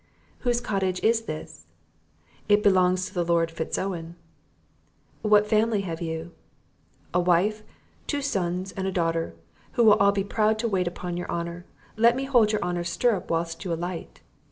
"Whose cottage is this?" "It belongs to the Lord Fitz Owen." "What family have you?" "A wife, two sons and a daughter, who will all be proud to wait upon your honour; let me hold your honour's stirrup whilst you alight."